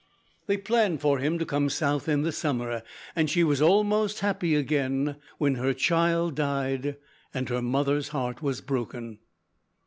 They planned for him to come South in the summer, and she was almost happy again, when her child died and her mother's heart was broken.